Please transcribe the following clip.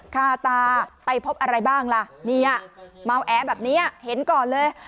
คาตาไปพบอะไรบ้างล่ะเนี่ยเมาแอแบบนี้เห็นก่อนเลย